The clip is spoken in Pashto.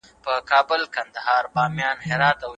آیا د کلتور تغییر د فردي انځور په ښه کولو کي مرسته کوي؟